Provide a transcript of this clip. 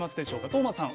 當間さん